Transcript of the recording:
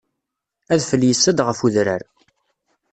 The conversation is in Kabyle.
Adfel yessa-d ɣef udrar.